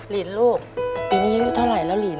ลินลูกปีนี้อายุเท่าไหร่แล้วลิน